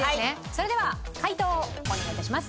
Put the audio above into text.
それでは解答をお願い致します。